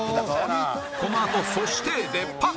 このあと「そして」でパン！